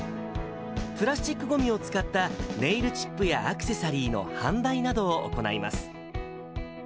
プラスチックごみを使ったネイルチップやアクセサリーの販売などを行います。